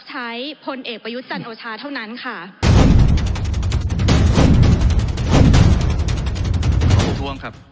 ขอประท้วงครับ